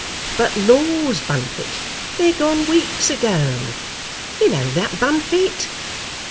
"But laws, Bunfit, they're gone weeks ago. You know that, Bunfit."